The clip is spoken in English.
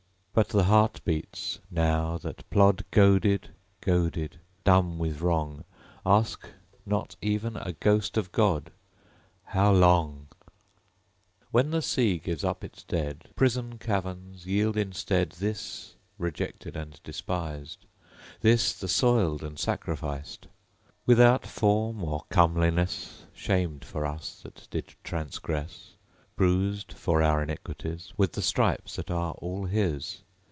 But the heart beats now, that plod Goaded goaded dumb with wrong, Ask not even a ghost of God ............._How long_? _When the Sea gives up its dead, Prison caverns, yield instead This, rejected and despised; This, the Soiled and Sacrificed! Without form or comeliness; Shamed for us that did transgress; Bruised, for our iniquities, With the stripes that are all his!